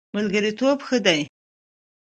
ملګرتوب ښه دی.